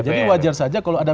jadi wajar saja kalau ada